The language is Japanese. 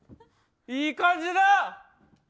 いい感じだ！